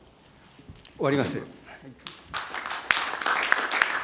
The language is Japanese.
終わります。